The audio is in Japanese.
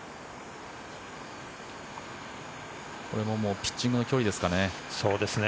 これもピッチングの距離ですかね。